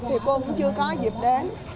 thì cô cũng chưa có dịp đến